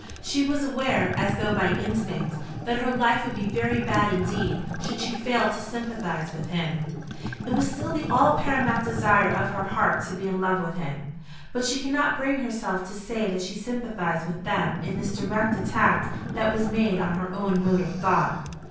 She was aware, as though by instinct, that her life would be very bad indeed should she fail to sympathise with him. It was still the all paramount desire of her heart to be in love with him. But she could not bring herself to say that she sympathised with them in this direct attack that was made on her own mode of thought.